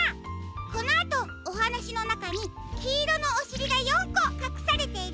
このあとおはなしのなかにきいろのおしりが４こかくされているよ。